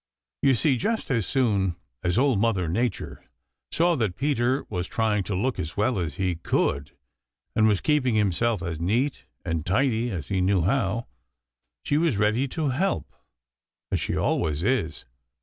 You see, just as soon as Old Mother Nature saw that Peter was trying to look as well as he could, and was keeping himself as neat and tidy as he knew how, she was ready to help, as she always is.